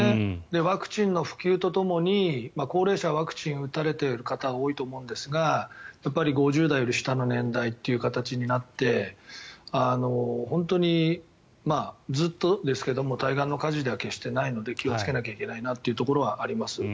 ワクチンの普及とともに高齢者はワクチンを打たれている方は多いと思いますがやっぱり５０代より下の年代という形になって本当にずっとですけども対岸の火事では決してないので気をつけなきゃいけないなというところはあります。